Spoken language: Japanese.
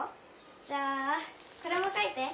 じゃあこれも書いて。